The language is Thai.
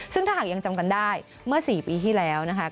ซึ่งถ้าหากยังจำกันได้เมื่อ๔ปีที่แล้วนะคะ